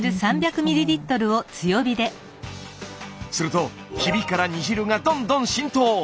するとヒビから煮汁がどんどん浸透。